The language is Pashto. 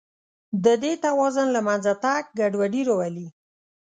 د دې توازن له منځه تګ ګډوډي راولي.